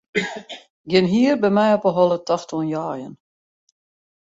Gjin hier by my op 'e holle tocht oan jeien.